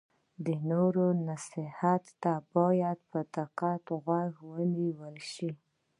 د نورو نصیحت ته باید په دقت غوږ ونیول شي.